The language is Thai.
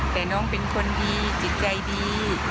แต่น้องเป็นคนดีจิตใจดี